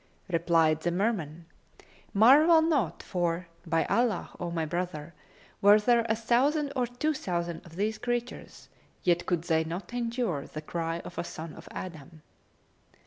Replied the Merman, "Marvel not, for, by Allah, O my brother, were there a thousand or two thousand of these creatures, yet could they not endure the cry of a son of Adam."